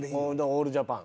オールジャパン。